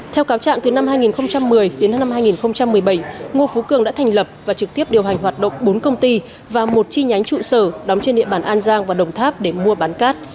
theo cáo trạng từ năm hai nghìn một mươi đến năm hai nghìn một mươi bảy ngô phú cường đã thành lập và trực tiếp điều hành hoạt động bốn công ty và một chi nhánh trụ sở đóng trên địa bàn an giang và đồng tháp để mua bán cát